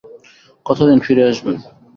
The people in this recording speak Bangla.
কথা দিন ফিরে আসবেন।